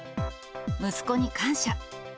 息子に感謝。